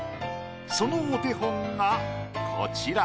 そのお手本がこちら。